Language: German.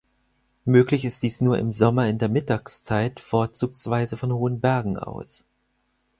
Möglich ist dies nur im Sommer in der Mittagszeit, vorzugsweise von hohen Bergen aus.